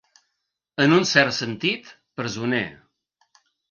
En un cert sentit, presoner.